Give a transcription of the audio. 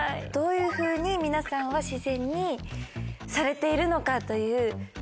どういうふうに皆さんは自然にされているのかという。